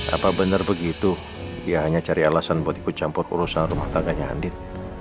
apa benar begitu ya hanya cari alasan buat ikut campur urusan rumah tangganya andit